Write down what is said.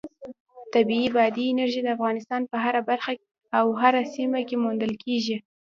طبیعي بادي انرژي د افغانستان په هره برخه او هره سیمه کې موندل کېږي.